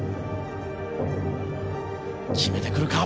決めてくるか。